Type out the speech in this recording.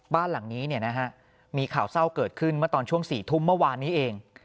บ้านหลังนี้มีข่าวเศร้าเกิดขึ้นเมื่อตอนช่วง๔ทุ่มเมื่อวานนี้เอง